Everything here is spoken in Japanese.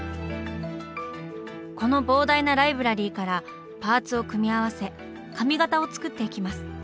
この膨大なライブラリーからパーツを組み合わせ髪型を作っていきます。